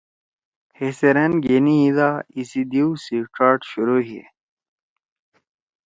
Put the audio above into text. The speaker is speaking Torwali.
ہے سیرأن گھینی ہیادا ایسی دیؤ سی ڇاڑ شروع ہیا۔